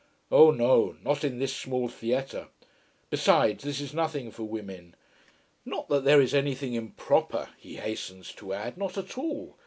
Oh no not in this small theatre. Besides this is nothing for women. Not that there is anything improper, he hastens to add. Not at all.